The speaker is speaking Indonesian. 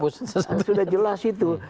sudah jelas itu